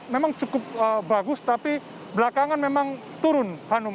memang cukup bagus tapi belakangan memang turun hanum